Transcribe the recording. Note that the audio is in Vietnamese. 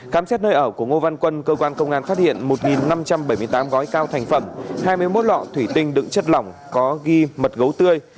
khám xét nơi ở của ngô văn quân cơ quan công an phát hiện một năm trăm bảy mươi tám gói cao thành phẩm hai mươi một lọ thủy tinh đựng chất lỏng có ghi mật gấu tươi